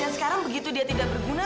dan sekarang begitu dia tidak berguna